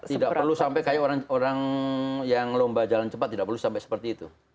tidak perlu sampai kayak orang yang lomba jalan cepat tidak perlu sampai seperti itu